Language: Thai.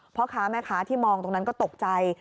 พ่อค้าแม่ค้าที่มองตรงนั้นก็ตกใจ